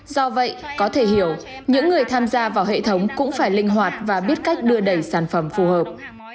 do vậy có thể hiểu những người tham gia vào hệ thống cũng phải linh hoạt và biết cách đưa đầy sản phẩm phù hợp